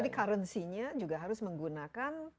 ini currency nya juga harus menggunakan